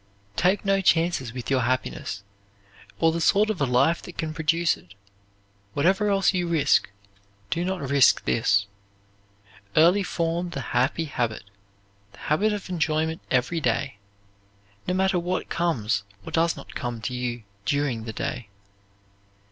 Take no chances with your happiness, or the sort of a life that can produce it; whatever else you risk, do not risk this. Early form the happy habit, the habit of enjoyment every day, no matter what comes or does not come to you during the day.